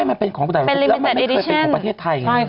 มันเป็นของประเทศไทย